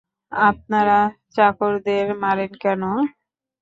আপনারা চাকরদের মারেন কেন?